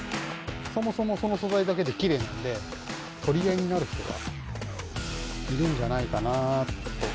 そもそも、その素材だけできれいなので、取り合いになる人がいるんじゃないかなと。